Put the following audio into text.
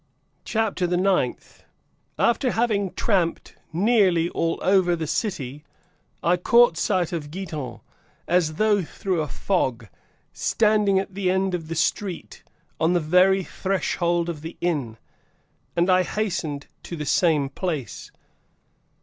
CHAPTER THE NINTH. (After having tramped nearly all over the city,) I caught sight of Giton, as though through a fog, standing at the end of the street, (on the very threshold of the inn,) and I hastened to the same place.